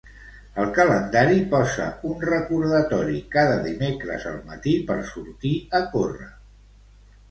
Al calendari posa un recordatori cada dimecres al matí per sortir a córrer.